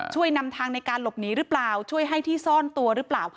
นำทางในการหลบหนีหรือเปล่าช่วยให้ที่ซ่อนตัวหรือเปล่า